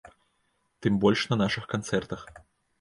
Тым больш на нашых канцэртах.